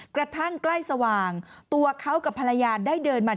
กระทั่งใกล้สว่างตัวเขากับภรรยาได้เดินมา